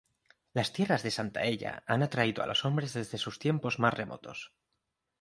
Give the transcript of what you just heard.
Las tierras de Santaella han atraído a los hombres desde sus tiempos más remotos.